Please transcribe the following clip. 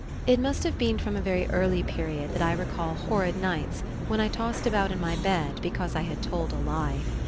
It must have been from a very early period that I recall "horrid nights" when I tossed about in my bed because I had told a lie.